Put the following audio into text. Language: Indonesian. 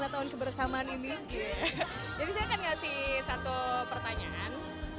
dua puluh lima tahun kebersamaan ini jadi saya akan ngasih satu pertanyaan